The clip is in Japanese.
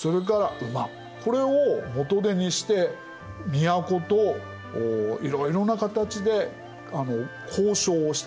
これを元手にして都といろいろな形で交渉をしてね